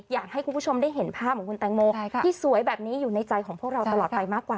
อยากให้คุณผู้ชมได้เห็นภาพของคุณแตงโมที่สวยแบบนี้อยู่ในใจของพวกเราตลอดไปมากกว่า